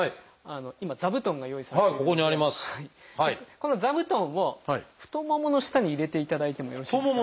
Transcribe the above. この座布団を太ももの下に入れていただいてもよろしいですか？